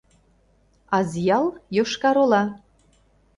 Азъял — Йошкар-Ола.